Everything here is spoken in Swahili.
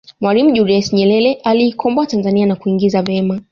mwalimu julius nyerere aliikomboa tanzania na kuingiza vema